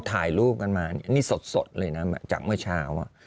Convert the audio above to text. ไฟลูกกันมาวะอันนี้สดเลยนะจากเมื่อเช้า